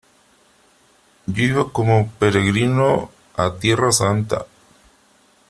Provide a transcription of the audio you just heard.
yo iba como peregrino a Tierra Santa .